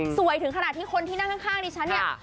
ถึงขนาดที่คนที่นั่งข้างดิฉันเนี่ย